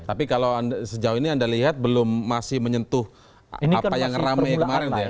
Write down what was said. tapi kalau sejauh ini anda lihat belum masih menyentuh apa yang rame kemarin itu ya